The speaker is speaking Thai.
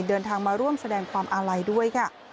เดินทางมาร่วมแสดงความอาลัยด้วยค่ะ